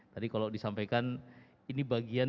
tadi kalau disampaikan ini bagian